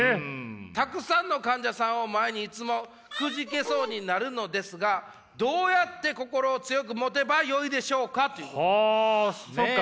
たくさんの患者さんを前にいつもくじけそうになるのですがどうやって心を強く持てばよいでしょうか？」という。